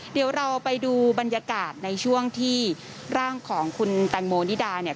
เดี๋ยวเราไปดูบรรยากาศในช่วงที่ร่างของคุณแตงโมนิดาเนี่ย